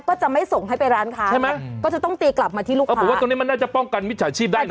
ก็จะไม่ส่งให้ไปร้านค้าใช่ไหมก็จะต้องตีกลับมาที่ลูกค้าผมว่าตรงนี้มันน่าจะป้องกันมิจฉาชีพได้เหรอ